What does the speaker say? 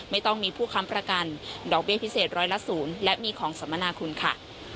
ไม่ต้องมีผู้ค้ำประกันดอกเบี้ยพิเศษร้อยละ๐และมีของสมนาคุณค่ะ